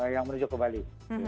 yang menuju ke bali